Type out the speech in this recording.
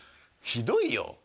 ひどいよ。